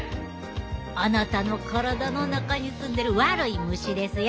あなたの体の中に住んでる悪い虫ですよ！